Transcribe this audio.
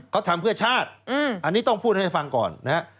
เขาทำเพื่อชาติอันนี้ต้องพูดให้ฟังก่อนนะฮะ